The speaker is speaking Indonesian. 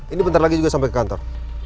ini bentar lagi juga sampai ke kantor